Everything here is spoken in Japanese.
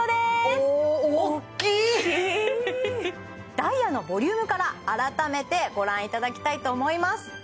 ダイヤのボリュームから改めてご覧いただきたいと思います